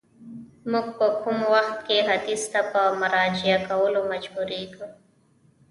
موږ په کوم وخت کي حدیث ته په مراجعه کولو مجبوریږو؟